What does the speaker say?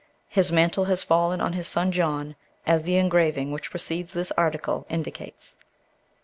His mantle has fallen on his son John, as the engraving which precedes this article indicates.